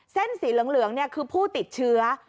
เส้นสีเหลืองคือผู้ติดเชื้อ